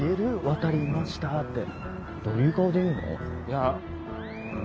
「渡いました！」ってどういう顔で言うの？やまぁ。